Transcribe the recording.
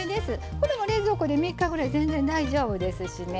これも冷蔵庫で３日ぐらい全然大丈夫ですしね。